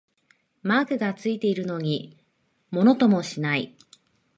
マークがついてるのにものともしない